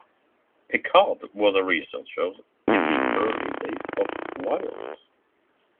Pickard was a researcher in the early days of wireless.